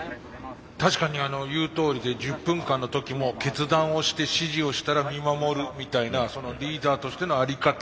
確かに言うとおりで１０分間の時も決断をして指示をしたら見守るみたいなリーダーとしての在り方